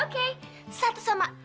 oke satu sama